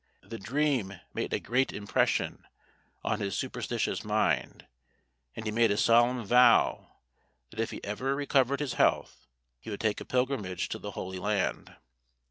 The dream made a great impression on his superstitious mind, and he made a solemn vow, that if ever he recovered his health, he would take a pilgrimage to the Holy Land.